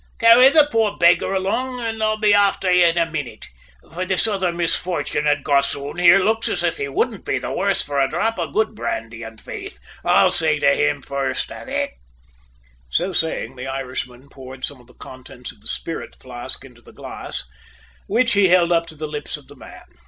"Carry the poor beggar along an' I'll be afther ye in a minnit; for this other misfortunate gossoon here looks as if he wouldn't be the worst for a dhrop of good brandy, an' faith, I'll say to him fourst, avic!" So saying the Irishman poured some of the contents of the spirit flask into the glass, which he held to the lips of the man.